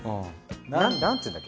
何て言うんだっけ？